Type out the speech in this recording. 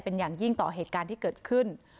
เป็นอย่างยิ่งต่อเหตุการณ์ที่เกิดขึ้น